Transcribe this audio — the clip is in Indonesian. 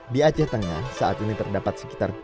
di aceh tengah saat ini terdapat sekitar